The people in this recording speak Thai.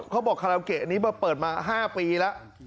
เขาบอกคาเลาเกะอันนี้เปิดมา๕ปีแล้ว